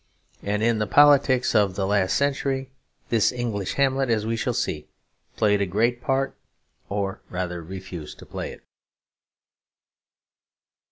And in the politics of the last century, this English Hamlet, as we shall see, played a great part, or rather refused to play it.